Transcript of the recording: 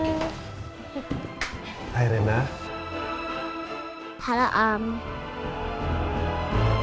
ada beberapa mainan yang om baik sengaja beli pilihin yang rena suka